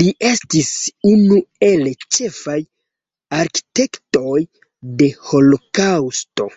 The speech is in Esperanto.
Li estis unu el ĉefaj arkitektoj de holokaŭsto.